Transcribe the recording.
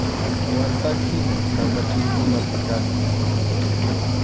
Wata hina kamachinkunapi kani.